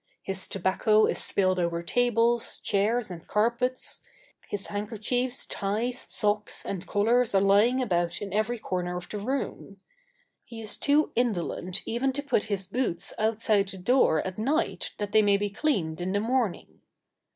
His tobacco is spilled over tables, chairs, and carpets. His handkerchiefs, ties, socks, and collars are lying about in every corner of the room. He is too indolent even to put his boots outside the door at night that they may be cleaned in the morning.